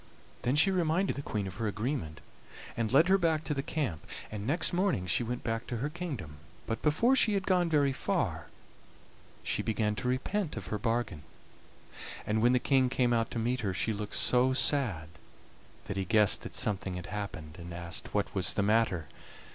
Then she reminded the Queen of her agreement, and led her back to the camp, and next morning she went back to her kingdom, but before she had gone very far she began to repent of her bargain, and when the King came out to meet her she looked so sad that he guessed that something had happened, and asked what was the matter.